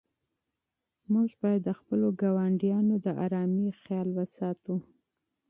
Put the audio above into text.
موږ باید د خپلو ګاونډیانو د آرامۍ خیال وساتو.